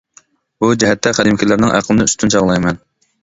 بۇ جەھەتتە قەدىمكىلەرنىڭ ئەقلىنى ئۈستۈن چاغلايمەن.